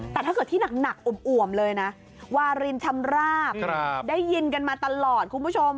แต่ถ้าเกิดที่หนักอ่วมเลยนะวารินชำราบได้ยินกันมาตลอดคุณผู้ชม